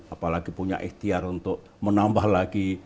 apalagi punya ikhtiar untuk menambah lagi